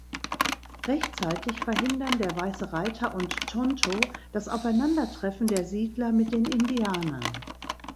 Rechtzeitig verhindern der weiße Reiter und Tonto das Aufeinandertreffen der Siedler mit den Indianern.